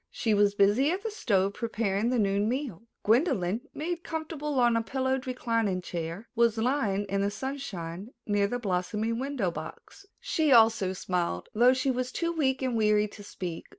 She was busy at the stove preparing the noon meal. Gwendolyn, made comfortable on a pillowed reclining chair, was lying in the sunshine near the blossoming window box. She also smiled, though she was too weak and weary to speak.